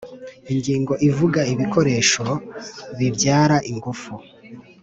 Ingingo ivuga ibikoresho bibyara ingufu